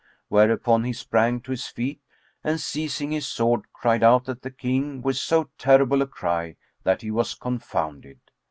Whereupon he sprang to his feet and, seizing his sword, cried out at the King with so terrible a cry that he was confounded.